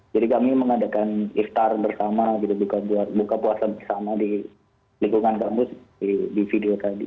jadi kami mengadakan iftar bersama kita buka puasa bersama di lingkungan kampus di video tadi